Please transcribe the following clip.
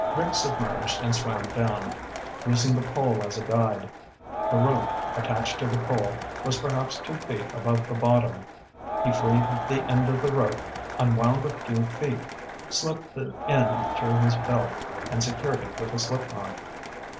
Rick submerged and swam down, using the pole as a guide. The rope, attached to the pole, was perhaps two feet above the bottom. He freed the end of the rope, unwound a few feet, slipped the end through his belt, and secured it with a slip knot.